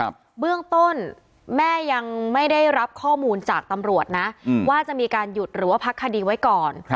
เบื้องต้นแม่ยังไม่ได้รับข้อมูลจากตำรวจนะอืมว่าจะมีการหยุดหรือว่าพักคดีไว้ก่อน